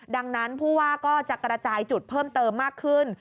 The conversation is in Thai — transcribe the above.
ดังนั้นผู้ว่าก็จะกระจายจุดเพิ่มเติมมากขึ้น